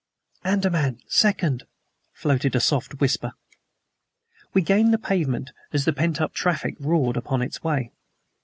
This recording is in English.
"ANDAMAN SECOND!" floated a soft whisper. We gained the pavement as the pent up traffic roared upon its way.